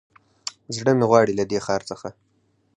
زړه مې غواړي له دې ښار څخه